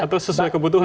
atau sesuai kebutuhan